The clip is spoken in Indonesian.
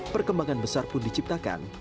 perkembangan besar pun diciptakan